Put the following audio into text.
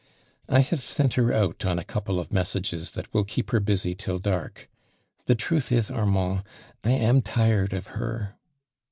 •I have sent her out on a couple of mes tiages that will keep her busy till dark. The truth is, Armand, I am tired of her."